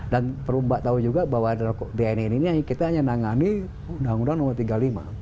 dan perubatan tahu juga bahwa dna ini kita hanya menangani undang undang nomor tiga puluh lima